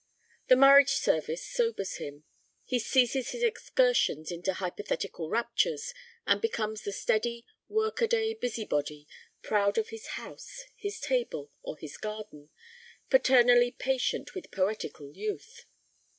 The marriage service sobers him. He ceases his excursions into hypothetical raptures, and becomes the steady, workaday busybody, proud of his house, his table, or his garden, paternally patient with poetical youth.